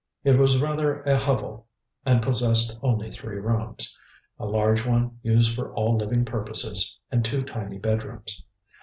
It was rather a hovel, and possessed only three rooms a large one, used for all living purposes, and two tiny bedrooms.